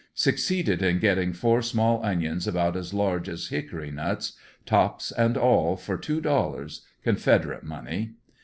Succeeded in getting four small onions about as large as hickory nuts, tops and all for two dollars Confederate money.